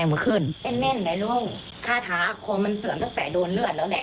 เต็มมาขึ้นเป็นแม่นแล้วลุงฆ่าท้าอาคมมันเสื่อมตั้งแต่โดนเลือดแล้วแหละ